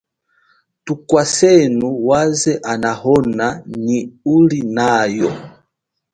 Thukwasenu waze anahona nyi ulinayo.